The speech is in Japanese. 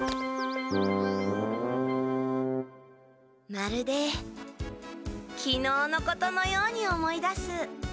まるできのうのことのように思い出す。